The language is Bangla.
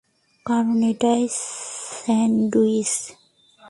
কারণ, এটা স্যান্ডউইচ!